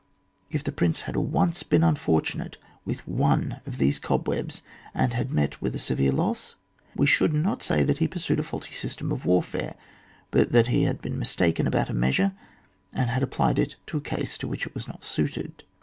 If the prince had once been unfortunate with one of these cobwebs, and had met with a severe loss, we should not say that he had pursued a faulty system of warfare, but that he had been mistaken about a measure and had applied it to a case to which it was not suited.